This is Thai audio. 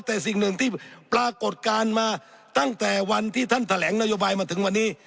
แต่สิ่งหนึ่งที่ปรากฏการณ์มาตั้งแต่วันที่ท่านแถลงนโยบายมาถึงวันนี้